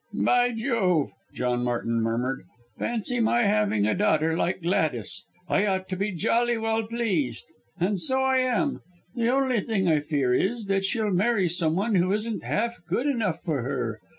"By Jove!" John Martin murmured. "Fancy my having a daughter like Gladys! I ought to be jolly well pleased. And so I am. The only thing I fear, is, that she'll marry some one who isn't half good enough for her!